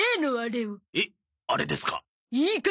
えっあれですか？